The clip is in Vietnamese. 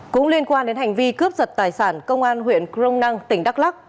cũng liên quan đến hành vi cướp giật tài sản công an huyện crong năng tỉnh đắk lắc